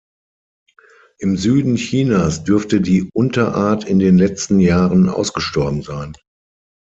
Im Süden Chinas dürfte die Unterart in den letzten Jahren ausgestorben sein.